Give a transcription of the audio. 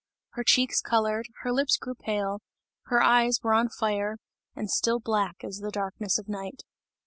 Her cheeks coloured, her lips grew pale, her eyes were on fire, and still black as the darkness of night.